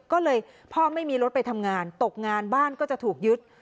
ก็เลยพ่อไม่มีรถไปทำงานตกงานบ้านก็จะถูกยึด